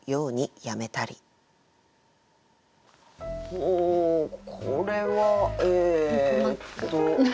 ほうこれはえっと。